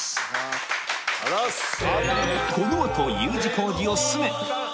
ありがとうございます